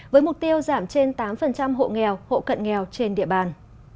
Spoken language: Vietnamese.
với mục tiêu giảm trên tám hộ nghèo hộ cận nghèo trên địa bàn